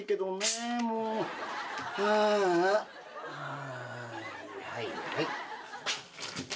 はいはい。